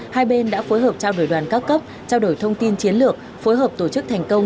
hai bên đã phối hợp trao đổi đoàn các cấp trao đổi thông tin chiến lược phối hợp tổ chức thành công